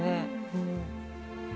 うん